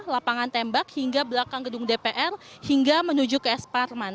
lapangan tembak hingga belakang gedung dpr hingga menuju ke es parman